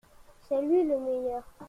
C’est lui le meilleur.